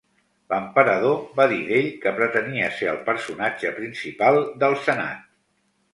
L'emperador va dir d'ell que pretenia ser el personatge principal del senat.